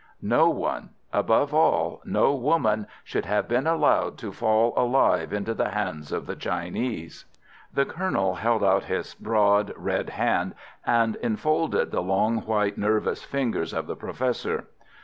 "No one—above all, no woman—should have been allowed to fall alive into the hands of the Chinese." The Colonel held out his broad red hand and enfolded the long, white, nervous fingers of the Professor.